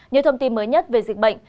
nhiều thông tin mới nhất về dịch bệnh